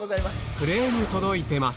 クレーム届いてます。